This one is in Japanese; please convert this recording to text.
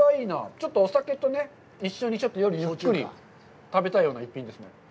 ちょっとお酒と一緒に夜、ゆっくり食べたいような一品ですね。